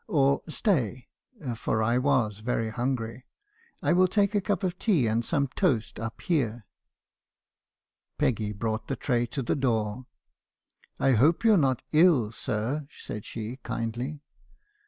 Or stay (for I was very hungry) , I will take a cup of tea and some toast up here.' "Peggy brought the tray to the door. " 'I hope you 're not ill, sir?' said she kindly.